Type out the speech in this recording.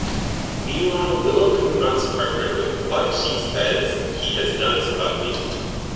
Meanwhile, Willow confronts Parker with what she says he has done to Buffy.